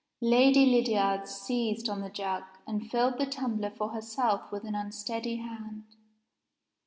Lady Lydiard seized on the jug, and filled the tumbler for herself with an unsteady hand.